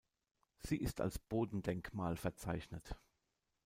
Sie ist als Bodendenkmal verzeichnet.